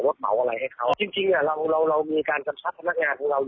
รถเหาะอะไรให้เขาจริงจริงอ่ะเราเรามองเรา